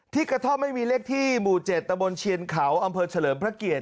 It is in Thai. กระท่อมไม่มีเลขที่หมู่๗ตะบนเชียนเขาอำเภอเฉลิมพระเกียรติ